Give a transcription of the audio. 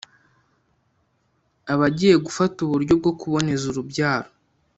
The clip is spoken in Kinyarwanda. abagiye gufata uburyo bwo kuboneza urubyaro,